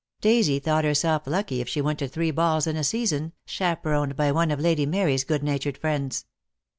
Daisy thought herself lucky if she went to three balls in a season, chaperoned by one of Lady Mary's good natured friends.